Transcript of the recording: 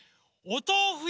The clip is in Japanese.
おとうふ？